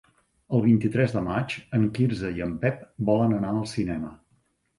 El vint-i-tres de maig en Quirze i en Pep volen anar al cinema.